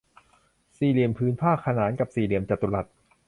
สี่เหลี่ยมผืนผ้าขนานกับสี่เหลี่ยมจัตุรัส